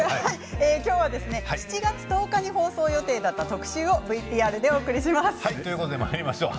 今日は７月１０日に放送予定だった特集をＶＴＲでお送りします。